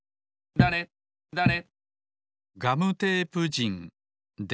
だれだれ。